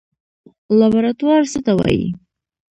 لابراتوار څه ته وایي؟